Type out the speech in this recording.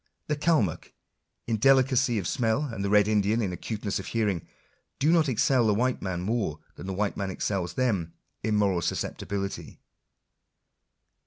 The Calmuck in delicacy of smell, and the red Indian in acuteness of hearing, do not excel the white man more than the white man excels them in moral susceptibility.